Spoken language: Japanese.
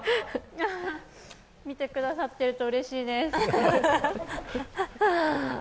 見てくださっているとうれしいです。